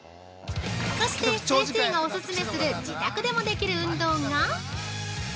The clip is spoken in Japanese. ◆そして、先生がお勧めする自宅でもできる運動が。